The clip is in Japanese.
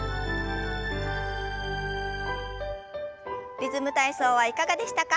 「リズム体操」はいかがでしたか？